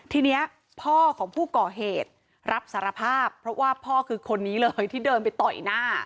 ทีนี้พ่อของผู้ก่อเหตุรับสารภาพเพราะว่าพ่อคือคนนี้เลยที่เดินไปต่อยหน้า